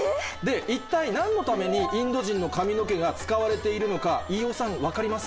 一体何のためにインド人の髪の毛が使われているのか飯尾さん分かります？